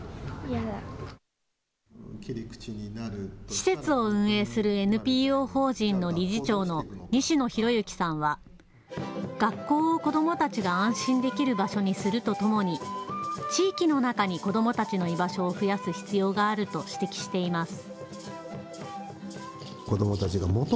施設を運営するＮＰＯ法人の理事長の西野博之さんは学校を子どもたちが安心できる場所にするとともに地域の中に子どもたちの居場所を増やす必要があると指摘しています。